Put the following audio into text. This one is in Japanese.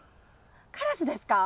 カラスですか？